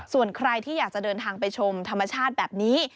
ส่วนใครที่อยากจะเดินทางไปชมธรรมชาติแบบนี้